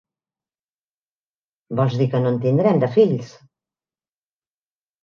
Vols dir que no en tindrem de fills?